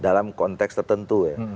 dalam konteks tertentu ya